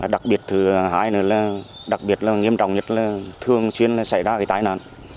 đặc biệt thứ hai nữa là đặc biệt nghiêm trọng nhất là thường xuyên xảy ra cái tái nạn